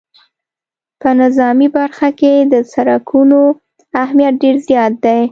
په نظامي برخه کې د سرکونو اهمیت ډېر زیات دی